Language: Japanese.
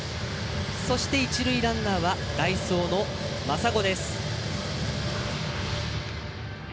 そして一塁ランナーは代走の真砂です。